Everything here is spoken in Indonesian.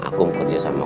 akum kerja sama aku